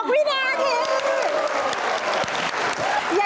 ๙๖วินาที